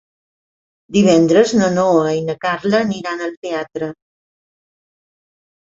Divendres na Noa i na Carla aniran al teatre.